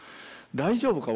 大丈夫か？